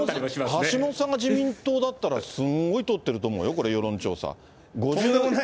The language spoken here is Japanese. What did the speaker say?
橋下さんが自民党だったら、すんごい取ってると思うよ、これ、世論調査。